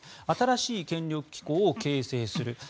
新しい権力機構を形成する。